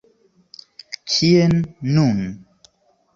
Kien nun.